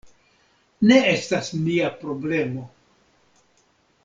Ne estas nia problemo.